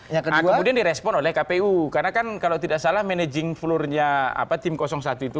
yang kedua direspon oleh kpu karena kan kalau tidak salah manajing floor nya apa tim satu itu